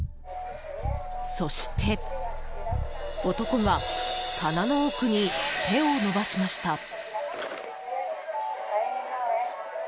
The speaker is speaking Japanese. そして、男が棚の奥に手を伸ばしました。